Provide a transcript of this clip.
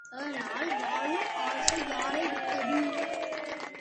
ஆனால் வாழும் ஆசை யாரை விட்டது?